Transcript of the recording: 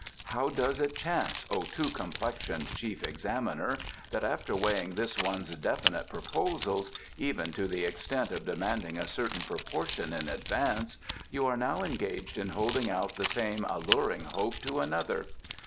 "How does it chance, O two complexioned Chief Examiner, that after weighing this one's definite proposals even to the extent of demanding a certain proportion in advance you are now engaged in holding out the same alluring hope to another?